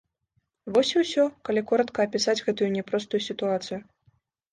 Вось і ўсё, калі коратка апісаць гэтую няпростую сітуацыю.